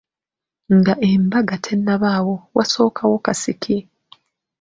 Nga embaga tennabaawo, wasookawo kasiki.